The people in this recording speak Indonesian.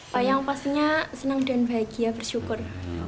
pak yang pastinya senang dan bahagia bersyukur